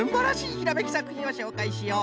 ひらめきさくひんをしょうかいしよう。